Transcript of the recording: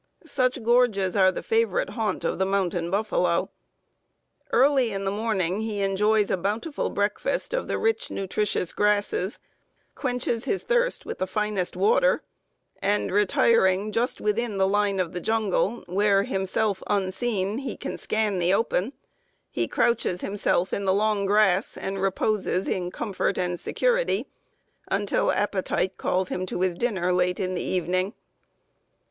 Such gorges are the favorite haunt of the mountain buffalo. Early in the morning he enjoys a bountiful breakfast of the rich nutritious grasses, quenches his thirst with the finest water, and, retiring just within the line of jungle, where, himself unseen, he can scan the open, he crouches himself in the long grass and reposes in comfort and security until appetite calls him to his dinner late in the evening.